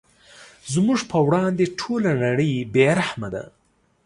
زموږ په وړاندې ټوله نړۍ بې رحمه ده.